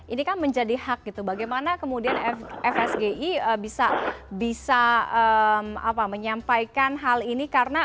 ini kan menjadi hak gitu bagaimana kemudian fsgi bisa menyampaikan hal ini karena